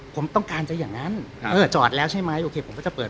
ผมต้องการจะอย่างนั้นจอดแล้วใช่ไหมโอเคผมก็จะเปิด